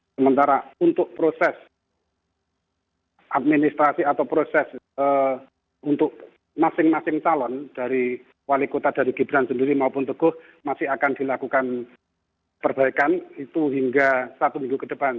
sementara untuk proses administrasi atau proses untuk masing masing calon dari wali kota dari gibran sendiri maupun teguh masih akan dilakukan perbaikan itu hingga satu minggu ke depan